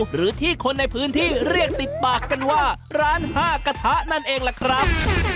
หรือที่คนในพื้นที่เรียกติดปากกันว่าร้านห้ากระทะนั่นเองล่ะครับ